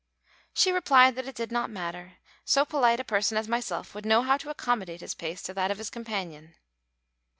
She replied that it did not matter; so polite a person as myself would know how to accommodate his pace to that of his companion.